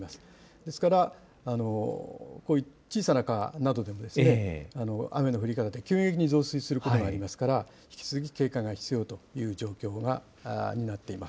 ですから、こういう小さな川などでも雨の降り方、急激に増水することもありますから、引き続き警戒が必要という状況になっています。